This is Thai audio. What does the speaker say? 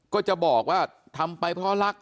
ก็จะบอกว่าทำไปเพราะรัก